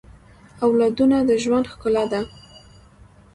اولادونه د ژوند ښکلا ده